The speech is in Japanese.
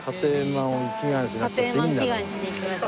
家庭円満祈願しに行きましょ。